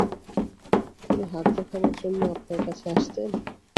তিনি হাত দেখাবার জন্যে আপনার কাছে আসতেন?